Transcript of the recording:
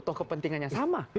toh kepentingannya sama